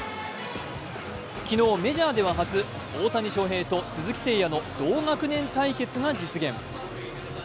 メジャーでは初、大谷翔平と鈴木誠也の同学年対決が実現。